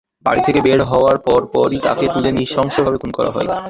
বাড়ি থেকে বের হওয়ার পরপরই তাঁকে তুলে নিয়ে নৃশংসভাবে খুন করা হয়।